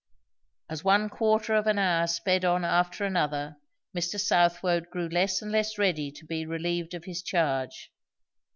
As one quarter of an hour sped on after another, Mr. Southwode grew less and less ready to be relieved of his charge.